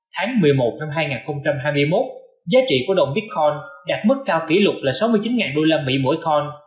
tháng một mươi một năm hai nghìn hai mươi một giá trị của đồng bitcoin đạt mức cao kỷ lục là sáu mươi chín usd mỗi con